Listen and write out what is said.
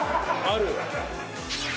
ある。